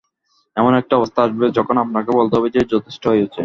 এমন একটা অবস্থা আসবে, যখন আপনাকে বলতে হবে যে, যথেষ্ট হয়েছে।